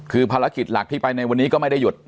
คือภารกิจหลักที่ไปในวันนี้ก็ไม่ได้หยุด